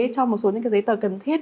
cho một số giấy tờ cần thiết